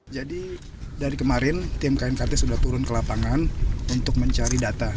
jadi dari kemarin tim knkt sudah turun ke lapangan untuk mencari data